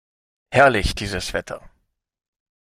Herrlich, dieses Wetter!